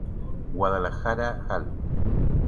Guadalajara, Jal.